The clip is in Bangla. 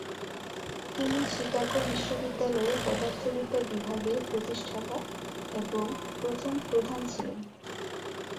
তিনি শিকাগো বিশ্ববিদ্যালয়ের পদার্থবিদ্যা বিভাগের প্রতিষ্ঠাতা এবং প্রথম প্রধান ছিলেন।